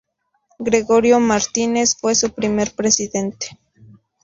Gregorio Martínez fue su primer presidente.